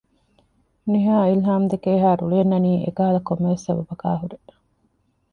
ނިހާ އިލްހާމްދެކެ އެހާ ރުޅި އަންނަނީ އެކަހަލަ ކޮންމެވެސް ސަބަބަކާ ހުރޭ